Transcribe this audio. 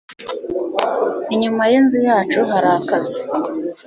Inyuma yinzu yacu hari akazu.